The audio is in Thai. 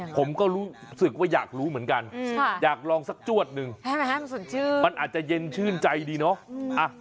ผมก็รู้สึกว่าอยากรู้เหมือนกันอยากลองสักจวดหนึ่งมันอาจจะเย็นชื่นใจดีเนาะ